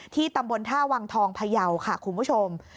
ตำบลท่าวังทองพยาวค่ะคุณผู้ชม